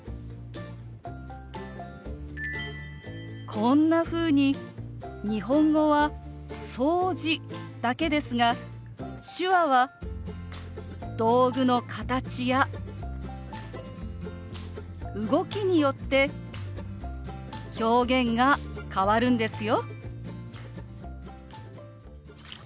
こんなふうに日本語は「掃除」だけですが手話は道具の形や動きによって表現が変わるんですよ。